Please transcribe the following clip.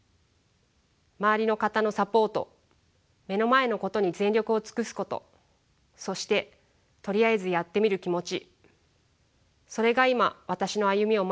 周りの方のサポート目の前のことに全力を尽くすことそしてとりあえずやってみる気持ちそれが今私の歩みを前へと押し進めているのかもしれません。